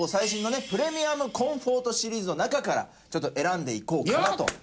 プレミアムコンフォートシリーズの中から選んでいこうかなと。